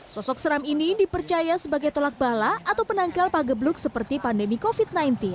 sosok seram ini dipercaya sebagai tolak bala atau penangkal pagebluk seperti pandemi covid sembilan belas